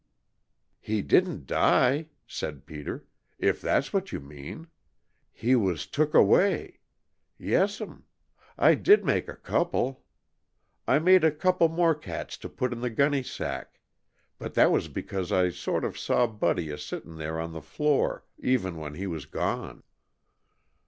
"He didn't die," said Peter, "if that's what you mean. He was took away. Yes'm. I did make a couple. I made a couple more cats to put in the gunny sack. But that was because I sort of saw Buddy a sittin' there on the floor, even when he was gone."